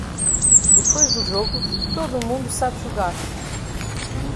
Depois do jogo, todo mundo sabe jogar.